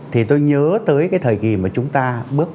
thì tôi nhớ tới cái thời kỳ mà chúng ta bước